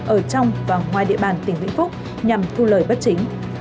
ở trong và ngoài địa bàn tỉnh vĩnh phúc nhằm thu lời bất chính